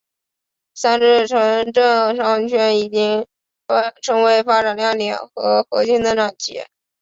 三是城镇商圈已经成为发展亮点和核心增长极。